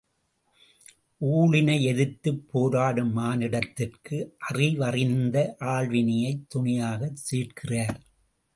ஊழினை எதிர்த்துப் போராடும் மானுடத்திற்கு அறிவறிந்த ஆள்வினையைத் துணையாகச் சேர்க்கிறார்.